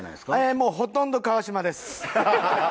もうほとんど川島です。